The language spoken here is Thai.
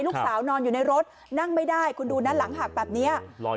นอนอยู่ในรถนั่งไม่ได้คุณดูนะหลังหักแบบนี้